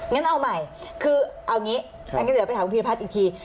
งั้นเอาใหม่คือเอางี้อันนี้เดี๋ยวไปถามคุณพีรพัฒน์อีกที